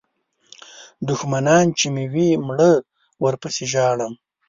دوښمنان مې چې وي مړه ورپسې ژاړم.